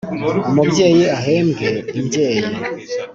umubyeyi ahembwe imbyeyi